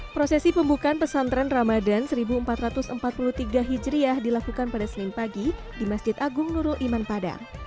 prosesi pembukaan pesantren ramadan seribu empat ratus empat puluh tiga hijriah dilakukan pada senin pagi di masjid agung nurul iman padang